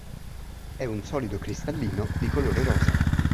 È un solido cristallino di colore rosa.